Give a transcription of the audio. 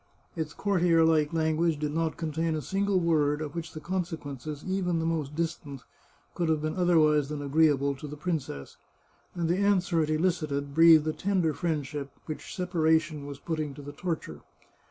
Its courtier like language did not contain a single word of which the consequences, even the most distant, could have been otherwise than agreeable to the princess, and the an swer it elicited breathed a tender friendship, which separa tion was putting to the torture.